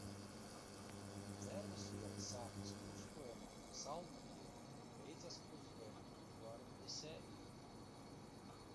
Dzērves iela sākas krustojumā ar Salmu ielu, bet beidzas krustojumā ar Eduarda Tisē ielu.